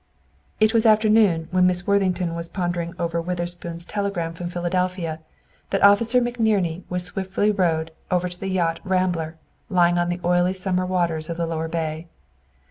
It was afternoon when Miss Worthington was pondering over Witherspoon's telegram from Philadelphia, that Officer McNerney was swiftly rowed out to the yacht "Rambler," lying on the oily summer waters of the lower bay.